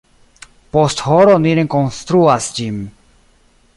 Post horo ni rekonstruas ĝin.